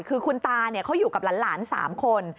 คือคุณตาเขาอยู่กับหลาน๓คน